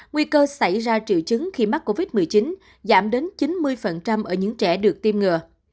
nguy cơ xảy ra triệu chứng khi mắc covid một mươi chín giảm đến chín mươi ở những trẻ được tiêm ngừa